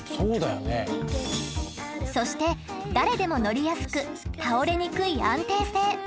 そして誰でも乗りやすく倒れにくい安定性。